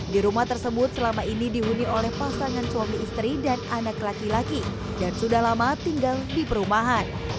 di rumah tersebut selama ini dihuni oleh pasangan suami istri dan anak laki laki dan sudah lama tinggal di perumahan